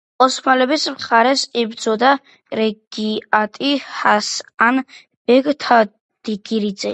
ოსმალების მხარეს იბრძოლა რენეგატი ჰასან-ბეგ თავდგირიძე.